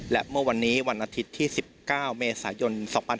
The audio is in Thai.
และเมื่อวันนี้วันอาทิตย์ที่๑๙เมษายน๒๕๖๒